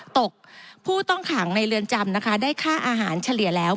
ตกผู้ต้องขังในเรือนจำนะคะได้ค่าอาหารเฉลี่ยแล้ว